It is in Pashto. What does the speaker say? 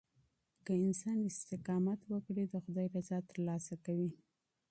که انسان استقامت وکړي، د خداي رضا ترلاسه کوي.